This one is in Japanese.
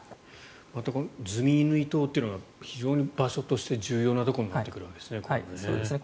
ズミイヌイ島というのは非常に場所として重要なところになってくるわけですね。